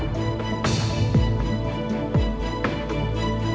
โปรดติดตามตอนต่อไป